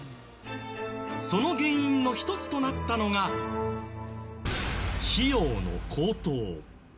その原因の１つとなったのが費用の高騰。